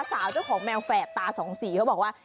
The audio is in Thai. สาวเจ้าของแมวแฝดตาสองสีเขาบอกว่า